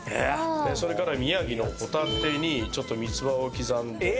それから宮城のホタテにちょっと三つ葉を刻んでかき揚げにしますね。